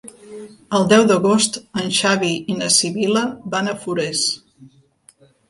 El deu d'agost en Xavi i na Sibil·la van a Forès.